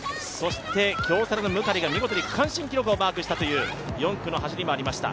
京セラのムカリが見事に区間記録をマークしたという４区の走りもありました。